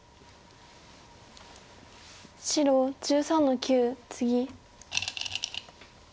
白１３の九ツギ。